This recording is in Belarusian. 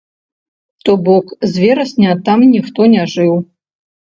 То бок з верасня там ніхто не жыў?